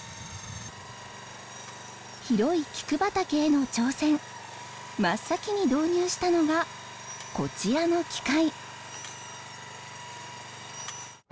広いキク畑への挑戦真っ先に導入したのがこちらの機械。